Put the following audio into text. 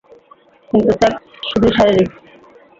কিন্তু সেক্স শুধুই শারীরিক।